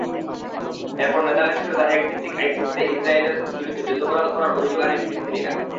এরপর নেদারল্যান্ডসের দ্য হেগভিত্তিক আইসিসিতে ইসরায়েলের বিরুদ্ধে যুদ্ধাপরাধ করার অভিযোগ আনে ফিলিস্তিনিরা।